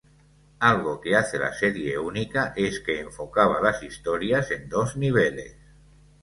Algo que hace la serie única es que enfocaba las historias en dos niveles.